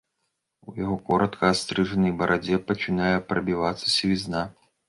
У яго коратка астрыжанай барадзе пачынае прабівацца сівізна.